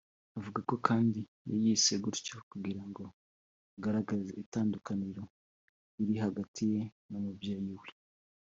avuga ko kandi yayise gutyo kugira ngo agaragaze itandukaniro riri hagati ye n’umubyeyi we